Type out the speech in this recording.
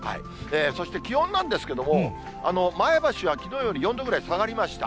そして気温なんですけども、前橋はきのうより４度ぐらい下がりました。